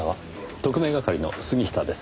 特命係の杉下です。